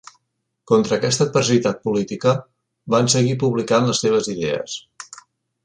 Contra aquesta adversitat política, van seguir publicant les seves idees.